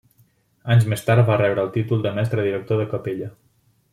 Anys més tard va rebre el títol de mestre director de capella.